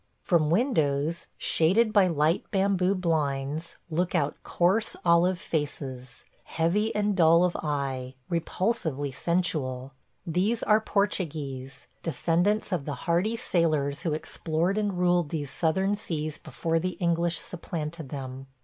... From windows shaded by light bamboo blinds look out coarse olive faces – heavy and dull of eye, repulsively sensual. These are Portuguese; descendants of the hardy sailors who explored and ruled these southern seas before the English supplanted them.